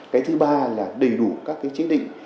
cái thứ ba là đầy đủ các trách nhiệm